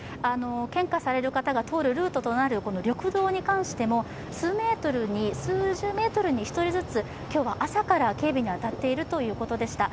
献花される方が通るルートとなる緑道に関しても、数十メートルに１人ずつ今日は朝から警備に当たっているということでした。